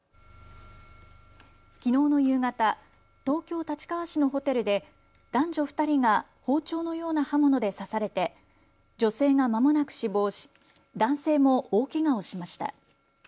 きのうの夕方、東京立川市のホテルで男女２人が包丁のような刃物で刺されて女性がまもなく死亡し男性も大けがをしました。